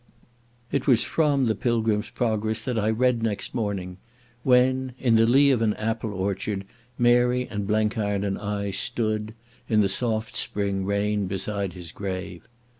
It was from the Pilgrim's Progress that I read next morning, when in the lee of an apple orchard Mary and Blenkiron and I stood in the soft spring rain beside his grave.